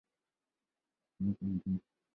台湾光姬蝽为姬蝽科光姬蝽属下的一个种。